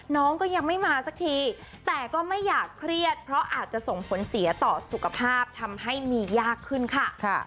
น้องก็ยังไม่มาสักทีแต่ก็ไม่อยากเครียดเพราะอาจจะส่งผลเสียต่อสุขภาพทำให้มียากขึ้นค่ะ